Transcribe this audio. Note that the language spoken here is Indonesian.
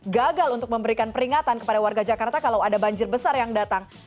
gagal untuk memberikan peringatan kepada warga jakarta kalau ada banjir besar yang datang